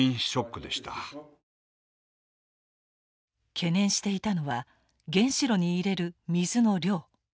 懸念していたのは原子炉に入れる水の量。